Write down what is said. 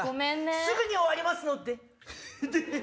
すぐに終わりますのでヘッ！